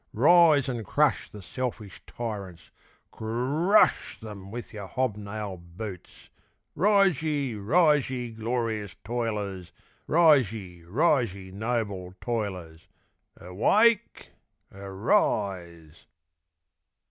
Rise and crush the selfish tyrants! ku r rush them with your hob nailed boots! Rise ye! rise ye! glorious toilers! Rise ye! rise ye! noble toilers! Erwake! er rise!